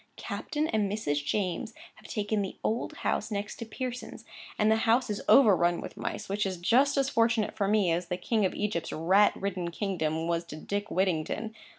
Captain and Mrs. James have taken the old house next Pearson's; and the house is overrun with mice, which is just as fortunate for me as the King of Egypt's rat ridden kingdom was to Dick Whittington.